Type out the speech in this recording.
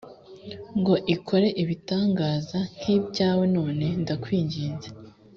ngo ikore ibitangaza nk ibyawe none ndakwinginze